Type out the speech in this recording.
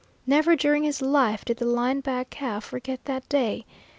Never during his life did the line back calf forget that day.